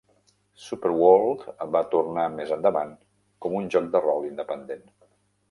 "Superworld" va tornar més endavant com un joc de rol independent.